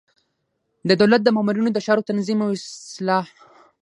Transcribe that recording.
د دولت د مامورینو د چارو تنظیم او اصلاح.